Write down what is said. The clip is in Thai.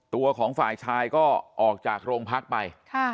ตัวของฝ่ายชายก็ออกจากโรงพักไป